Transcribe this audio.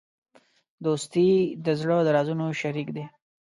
دوستي د زړه د رازونو شریک دی.